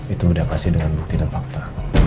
itu sudah pasti dengan bukti dan fakta